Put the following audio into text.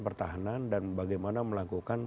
pertahanan dan bagaimana melakukan